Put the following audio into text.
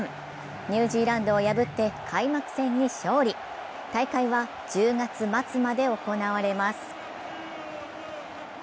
ニュージーランドを破って開幕戦に勝利大会は１０月末まで行われます。